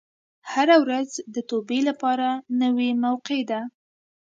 هره ورځ د توبې لپاره نوې موقع ده.